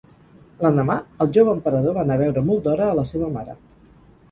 L'endemà, el jove emperador va anar a veure molt d'hora a la seva mare.